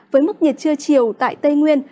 với mức nhiệt trưa chiều tại tây nguyên